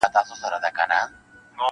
• د رنګونو وېش یې کړی په اوله ورځ سبحان -